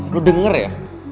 lo denger ya